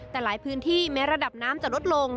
แต่หลายพื้นที่แม้ระดับน้ำจะลดลง